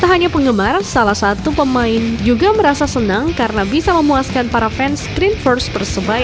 tak hanya penggemar salah satu pemain juga merasa senang karena bisa memuaskan para fans green force persebaya